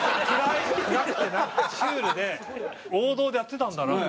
シュールで王道でやってたんだなっていう。